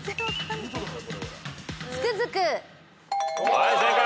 はい正解。